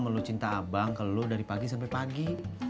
mau lo cinta abang ke lo dari pagi sampai pagi